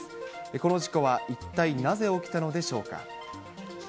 この事故は一体なぜ起きたのでしょうか。